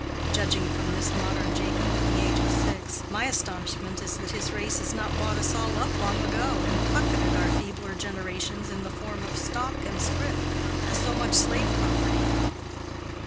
Judging from this modern Jacob at the age of six, my astonishment is that his race has not bought us all up long ago, and pocketed our feebler generations in the form of stock and scrip, as so much slave property.